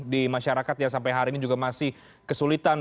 di masyarakat yang sampai hari ini juga masih kesulitan